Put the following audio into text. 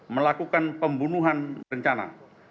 satu melakukan pembunuhan rencana